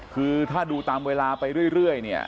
คือถ้าดูตามเวลาไปเรื่อยเนี่ย